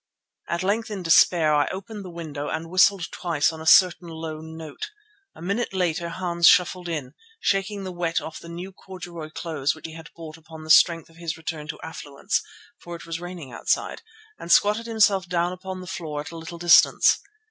At length in despair I opened the window and whistled twice on a certain low note. A minute later Hans shuffled in, shaking the wet off the new corduroy clothes which he had bought upon the strength of his return to affluence, for it was raining outside, and squatted himself down upon the floor at a little distance.